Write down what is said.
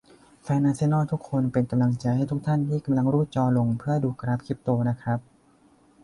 แฟนอาร์เซนอล ทุกคน เป็นกำลังใจให้ทุกท่านที่กำลังรูดจอลงเพื่อดูกราฟคริปโตนะครับ